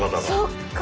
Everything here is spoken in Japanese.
そっか！